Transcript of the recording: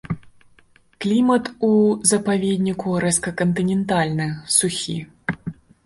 Клімат у запаведніку рэзка кантынентальны, сухі.